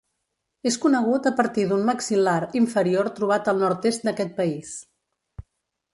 És conegut a partir d'un maxil·lar inferior trobat al nord-est d'aquest país.